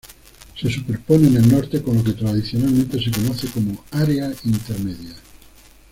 Se superpone en el norte con lo que tradicionalmente se conoce como Área Intermedia.